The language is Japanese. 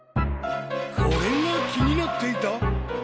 これが気になっていた？